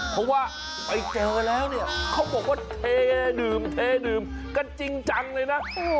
เพราะว่าไปเจอแล้วเนี่ยเขาบอกว่าเทดื่มเทดื่มกันจริงจังเลยนะ